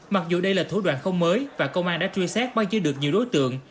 mặc dù đây là thủ đoạn không mới và công an đã truy xét bao nhiêu được nhiều đối tượng